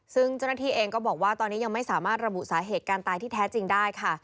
ซึ่งเจ้าหน้าที่เองก็บอกว่าตอนนี้ยังไม่สามารถระบุสาเหตุการตายที่แท้จริงได้ค่ะ